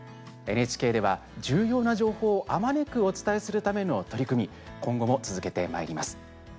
ＮＨＫでは重要な情報をあまねくお伝えするための取り組み今後も続けてまいります。